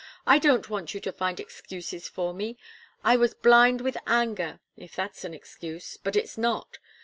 "I don't want you to find excuses for me. I was blind with anger, if that's an excuse but it's not.